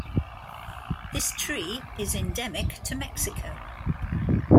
This tree is endemic to Mexico.